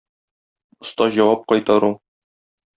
Оста җавап кайтару.